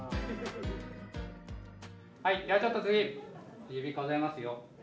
はいじゃあちょっと次指数えますよ。